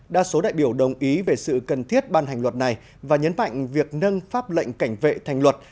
đa số đại biểu đồng ý về sự cần thiết ban hành luật này và nhấn mạnh việc nâng pháp lệnh cảnh vệ thành luật